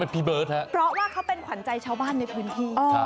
เพราะว่าเขาเป็นขวัญใจชาวบ้านในพื้นที่